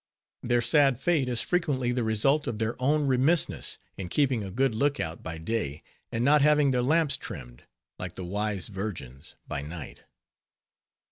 Their sad fate is frequently the result of their own remissness in keeping a good look out by day, and not having their lamps trimmed, like the wise virgins, by night.